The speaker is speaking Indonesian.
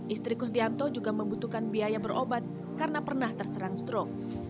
istri kusdianto juga membutuhkan biaya berobat karena pernah terserang strok